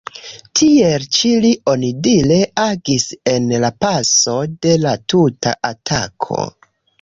Tiel ĉi li onidire agis en la paso de la tuta atako.